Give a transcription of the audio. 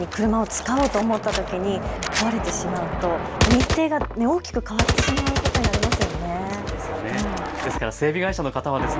確かにいざ旅行や帰省中に車を使うと思ったときに壊れてしまうと、日程が大きく変わってしまうことになりますね。